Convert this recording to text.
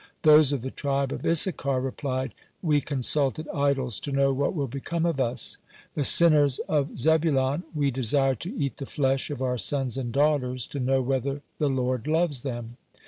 Those of the tribe of Issachar replied: "We consulted idols to know what will become of us." (7) The sinners of Zebulon: "We desired to eat the flesh of our sons and daughters, to know whether the Lord loves them."